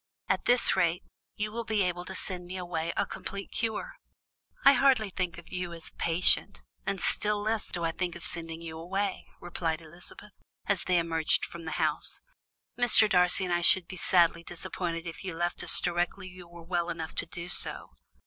At this rate, you will soon be able to send me away a complete cure." "I hardly think of you as a patient now, and still less do I think of sending you away," returned Elizabeth, as they emerged from the house. "Mr. Darcy and I should be sadly disappointed if you left us directly you were well enough to do so."